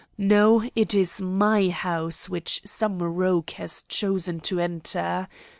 No, it is my house which some rogue has chosen to enter.